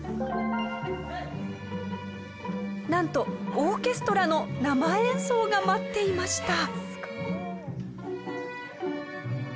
なんとオーケストラの生演奏が待っていました。